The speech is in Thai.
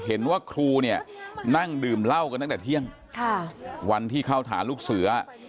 เห็นว่าครูเนี่ยนั่งดื่มเหล้ากันตั้งแต่เที่ยงวันที่เข้าฐานลูกเสือ